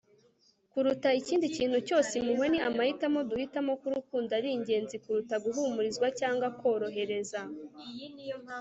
kuruta ikindi kintu cyose, impuhwe ni amahitamo duhitamo ko urukundo ari ingenzi kuruta guhumurizwa cyangwa korohereza